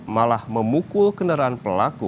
malah memukul kendaraan pelaku